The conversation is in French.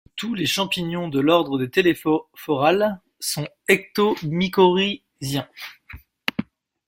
Tous les champignons de l'ordre des Thelephorales sont ectomycorhiziens.